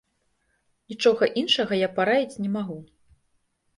Нічога іншага я параіць не магу.